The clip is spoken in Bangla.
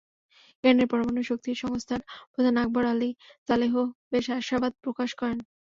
ইরানের পরমাণু শক্তি সংস্থার প্রধান আলী আকবর সালেহিও বেশ আশাবাদ প্রকাশ করেন।